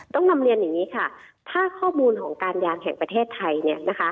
ต้องนำเรียนอย่างนี้ค่ะถ้าข้อมูลของการยางแห่งประเทศไทยเนี่ยนะคะ